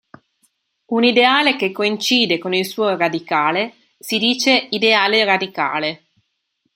Un ideale che coincide con il suo radicale si dice un ideale radicale.